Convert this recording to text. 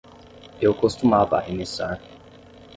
Eu costumava arremessar.